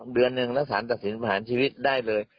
เดือนหนึ่งแล้วสารตัดสินประหารชีวิตได้เลย